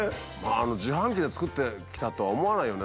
自販機で作ってきたとは思わないよね。